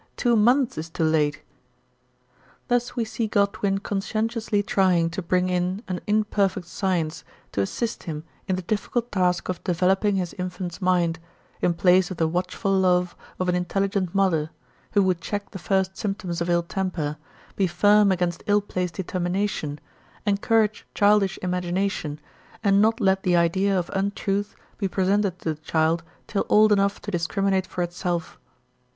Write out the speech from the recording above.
Two months is too late/' Thus we see Godwin conscientiously trying to bring in an imperfect science to assist him in the difficult task of developing his infant's mind, in place of the watchful love of an intelligent mother, who would check the first symptoms of ill temper, be firm against ill placed determination, en courage childish imagination, and not let the idea of untruth be presented to the child till old enough to discriminate for itself.